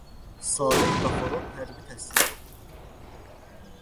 Saleh Qafarov hərbi təhsil alıb.